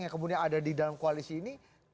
yang kemudian ada di dalam koalisi ini